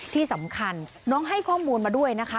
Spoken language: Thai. ที่สำคัญน้องให้ข้อมูลมาด้วยนะคะ